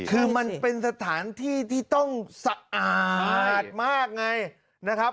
คือมันเป็นสถานที่ที่ต้องสะอาดมากไงนะครับ